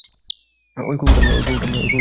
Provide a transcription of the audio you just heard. ওই কুকুরটা একটা হিরো!